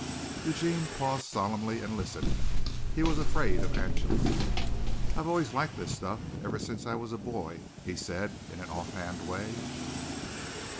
Eugene paused solemnly and listened. He was afraid of Angela. "I've always liked this stuff, ever since I was a boy," he said in an offhand way.